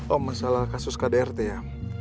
oh masalah kasus kdrt ya